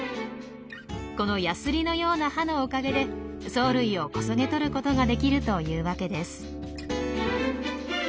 このやすりのような歯のおかげで藻類をこそげとることができるというわけです。